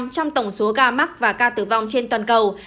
tám trong tổng số ca mắc và ca tử vong trên toàn cầu